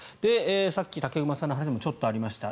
さっき武隈さんの話でもちょっとありました。